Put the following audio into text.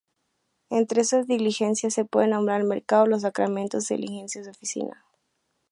Entre esas diligencias se puede nombrar: el mercado, los sacramentos y diligencias de oficina.